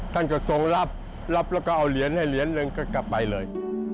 ท่านก็ทรงรับรับแล้วก็เอาเหรียญให้เหรียญหนึ่งก็กลับไปเลย